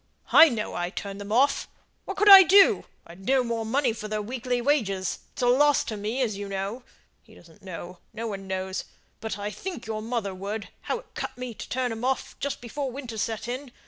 "I know I turned them off what could I do? I'd no more money for their weekly wages; it's a loss to me, as you know. He doesn't know, no one knows, but I think your mother would, how it cut me to turn 'em off just before winter set in.